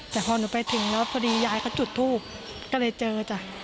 แต่พอหนูไปถึงแล้วพอดียายเขาจุดทูบก็เลยเจอจ้ะ